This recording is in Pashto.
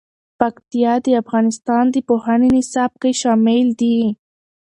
پکتیا د افغانستان د پوهنې نصاب کې شامل دي.